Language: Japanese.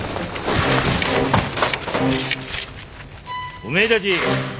おめえたち